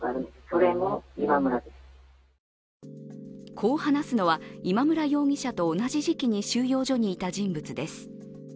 こう話すのは、今村容疑者と同じ時期に収容所にいた人物です。